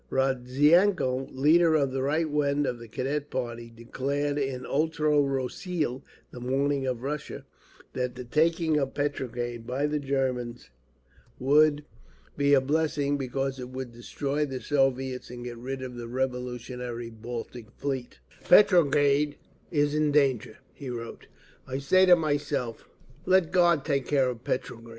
Rodzianko, leader of the right wing of the Cadet party, declared in Utro Rossii (The Morning of Russia) that the taking of Petrograd by the Germans would be a blessing, because it would destroy the Soviets and get rid of the revolutionary Baltic Fleet: Petrograd is in danger (he wrote). I say to myself, "Let God take care of Petrograd."